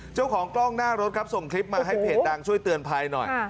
เจ้าของกล้องหน้ารถครับส่งคลิปมาให้เพจดังช่วยเตือนภัยหน่อย